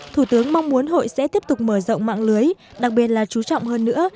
thủ tướng mong muốn hội sẽ tiếp tục mở rộng mạng lưới đặc biệt là chú trọng hơn nữa